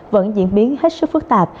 vẫn diễn biến hết sức phức tạp